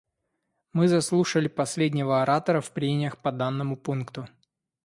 Мы заслушали последнего оратора в прениях по данному пункту.